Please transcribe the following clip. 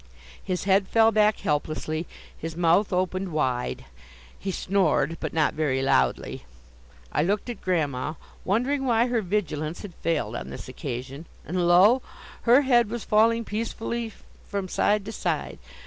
His head fell back helplessly, his mouth opened wide. He snored, but not very loudly. I looked at Grandma, wondering why her vigilance had failed on this occasion, and lo! her head was falling peacefully from side to side.